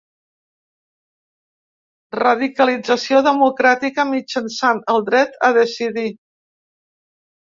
Radicalització democràtica mitjançant el dret a decidir.